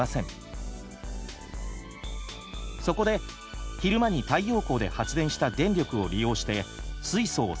そこで昼間に太陽光で発電した電力を利用して水素を製造。